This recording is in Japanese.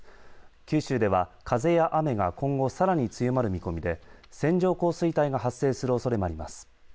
九州では風や雨が今後さらに強まる見込みで線状降水帯が発生するおそれもあります。